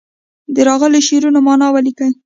د راغلو شعرونو معنا ولیکي.